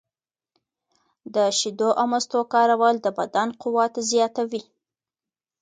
د شیدو او مستو کارول د بدن قوت زیاتوي.